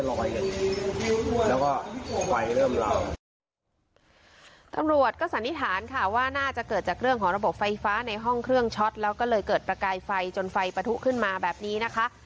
ตำรวจก็สันนิษฐานค่ะว่าน่าจะเกิดจากเรื่องของระบบไฟฟ้าในห้องเครื่องช็อตแล้วก็เลยเกิดประกายไฟจนไฟปะทุขึ้นมาแบบนี้นะคะ